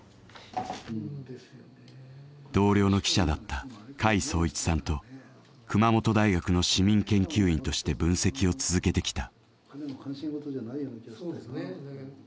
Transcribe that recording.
同僚の記者だった甲斐壮一さんと熊本大学の市民研究員として分析を続けてきた。